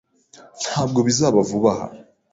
Ntabwo bizaba vuba aha.